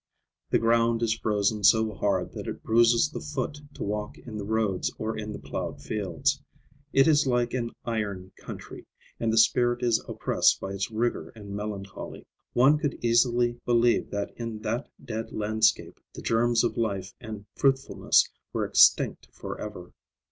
The ground is frozen so hard that it bruises the foot to walk in the roads or in the ploughed fields. It is like an iron country, and the spirit is oppressed by its rigor and melancholy. One could easily believe that in that dead landscape the germs of life and fruitfulness were extinct forever.